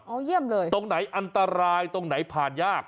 เยี่ยมเลยตรงไหนอันตรายตรงไหนผ่านยาก